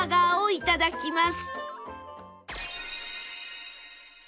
いただきます！